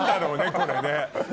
これね。